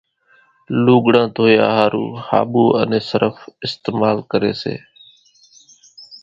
لُوڳڙان ڌويا ۿارُو ۿاٻُو انين صرڦ اِستمال ڪريَ سي۔